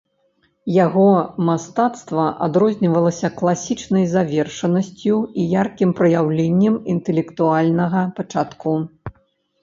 Яго мастацтва адрознівалася класічнай завершанасцю і яркім праяўленнем інтэлектуальнага пачатку.